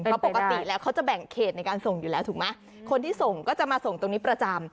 เพราะปกติแล้วเขาจะแบ่งเขตในการส่งอยู่แล้วถูกไหมคนที่ส่งก็จะมาส่งตรงนี้ประจำ